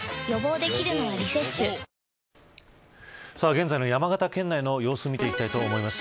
現在の山形県内の様子を見ていきたいと思います。